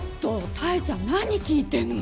多恵ちゃん何聞いてんの。